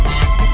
masuk ke dalam